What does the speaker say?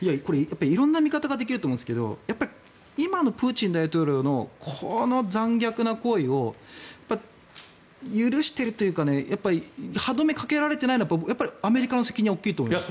色んな見方ができると思うんですけど今のプーチン大統領の残虐な行為を許しているというか歯止めをかけられていないのはアメリカの責任は大きいと思います。